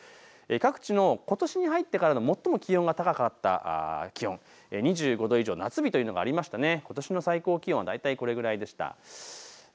各地のことしに入ってから最も気温が高かった気温、２５度以上夏日というのがありましてことしの最高気温、大体これぐらいでした。